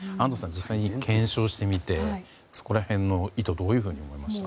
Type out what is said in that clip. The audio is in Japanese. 実際に検証してみてそこら辺の意図どういうふうにみえますか。